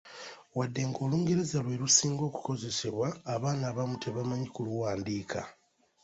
Wadde nga Olungereza lwe lusinga okukozesebwa, abaana abamu tebamanyi kuluwandiika.